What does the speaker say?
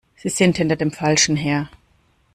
Sie sind hinter dem Falschen her!